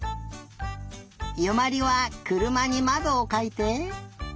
由茉莉はくるまにまどをかいて。